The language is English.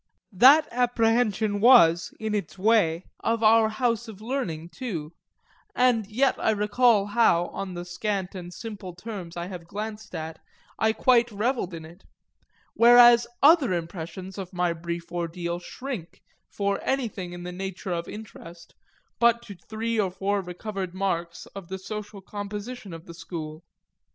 That apprehension was, in its way, of our house of learning too, and yet I recall how, on the scant and simple terms I have glanced at, I quite revelled in it; whereas other impressions of my brief ordeal shrink, for anything in the nature of interest, but to three or four recovered marks of the social composition of the school.